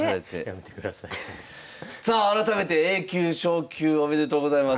さあ改めてＡ級昇級おめでとうございます！